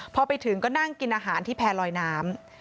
พอไปถึงก็นั่งกินอาหารที่แพร่ลอยน้ำ